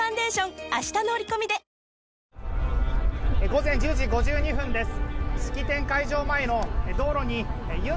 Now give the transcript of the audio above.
午前１０時５２分です。